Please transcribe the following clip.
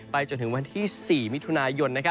จนถึงวันที่๔มิถุนายน